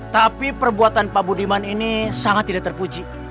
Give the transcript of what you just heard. tapi perbuatan pak budiman ini sangat tidak terpuji